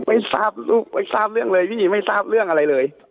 ไม่ทราบลูกไม่ทราบเรื่องเลยพี่ไม่ทราบเรื่องอะไรเลย